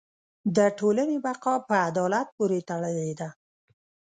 د ټولنې بقاء په عدالت پورې تړلې ده.